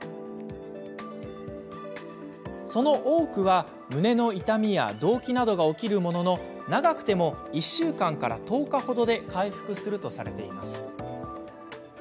その多くは、胸の痛みや動悸などが起きるものの長くても１週間から１０日ほどで回復するとされています。